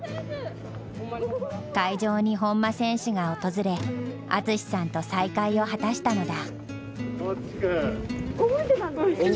会場に本間選手が訪れ淳さんと再会を果たしたのだ。